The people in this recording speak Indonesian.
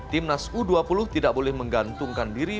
timnas u dua puluh tidak boleh menggantungkan diri